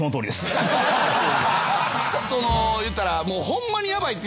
言ったら。